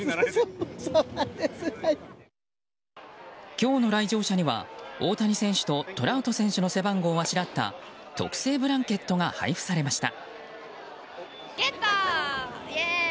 今日の来場者には大谷選手とトラウト選手の背番号をあしらった特製ブランケットが配布されました。